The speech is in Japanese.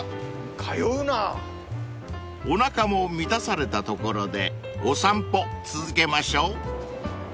［おなかも満たされたところでお散歩続けましょう］